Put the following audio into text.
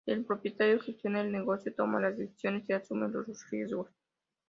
El propietario gestiona el negocio, toma las decisiones y asume los riesgos.